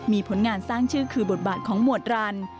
มีผลงานสร้างชื่อคือบทบาทของหมวดรัน